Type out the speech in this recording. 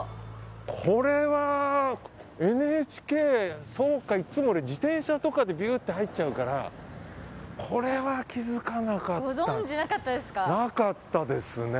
これはＮＨＫそうか、俺いつも自転車とかでビューって入っちゃうからご存じなかったですか。